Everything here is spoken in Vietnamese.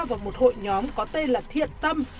vào một hội nhóm có tên là thiện tâm